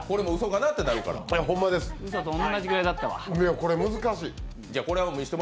これ、難しい。